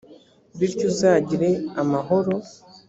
bityo uzagire amahoro.